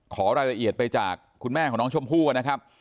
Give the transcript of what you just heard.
ขอรายละเอียดไปจากคุณแม่ของน้องชมพู่นะครับ